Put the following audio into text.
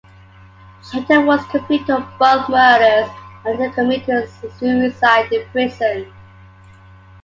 Gentle was convicted of both murders and later committed suicide in prison.